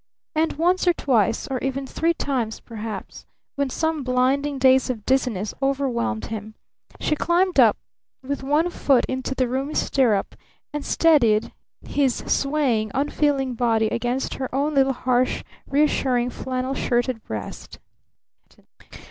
And once, or twice, or even three times perhaps, when some blinding daze of dizziness overwhelmed him, she climbed up with one foot into the roomy stirrup and steadied his swaying, unfeeling body against her own little harsh, reassuring, flannel shirted breast.